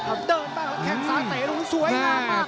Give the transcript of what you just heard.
เอาเดินไปแข่งซ้าเศรูสวยงามมาก